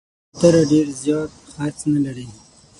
کوتره ډېر زیات خرڅ نه لري.